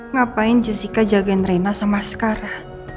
ngapain jessica jagain reina sama askara